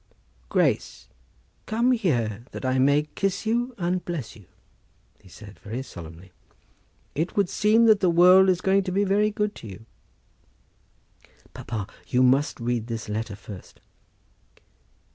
"Grace, come here, that I may kiss you and bless you," he said, very solemnly. "It would seem that the world is going to be very good to you." "Papa, you must read this letter first."